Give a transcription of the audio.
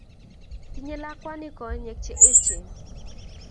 Tinyei lakwani konyek che eechen